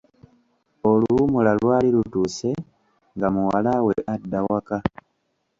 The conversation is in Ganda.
Oluwummula lwali lutuuse nga muwala we adda waka.